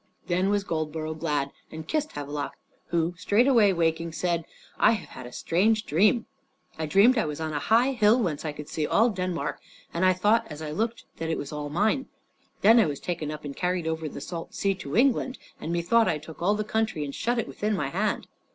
Then was Goldborough glad, and kissed Havelok, who, straightway waking, said, "I have had a strange dream. I dreamed I was on a high hill, whence I could see all Denmark; and I thought as I looked that it was all mine. Then I was taken up and carried over the salt sea to England, and methought I took all the country and shut it within my hand."